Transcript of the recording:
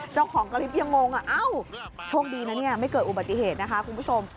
เจ้าของคลิปยังงงเอ้าโชคดีนะเนี่ยไม่เกิดอุบัติเหตุนะคะคุณผู้ชม